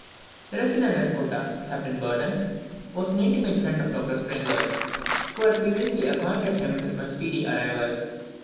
The resident at Kottah, Captain Burdon, was an intimate friend of Dr. Sprenger's, who had previously acquainted him with my speedy arrival.